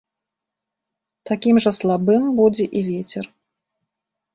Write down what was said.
Такім жа слабым будзе і вецер.